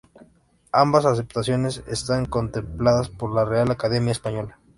Ambas acepciones están contempladas por la Real Academia Española.